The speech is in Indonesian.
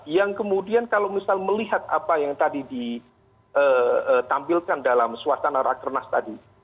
yang kemudian kalau misal melihat apa yang tadi ditampilkan dalam suasana rakernas tadi